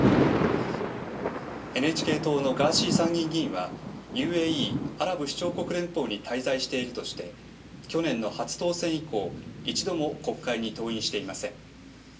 ＮＨＫ党のガーシー参議院議員はＵＡＥ・アラブ首長国連邦に滞在しているとして去年の初当選以降、一度も国会に登院していません。